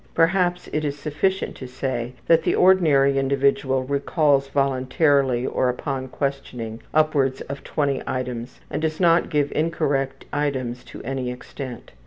Perhaps it is sufficient to say that the ordinary individual recalls voluntarily or upon questioning upwards of 20 items, and does not give incorrect items to any extent.